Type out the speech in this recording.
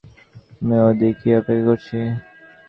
আমি ওদিকটায় অপেক্ষা করছি।